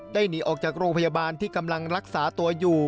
หนีออกจากโรงพยาบาลที่กำลังรักษาตัวอยู่